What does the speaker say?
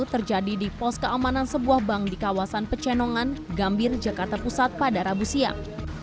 terjadi di pos keamanan sebuah bank di kawasan pecenongan gambir jakarta pusat pada rabu siang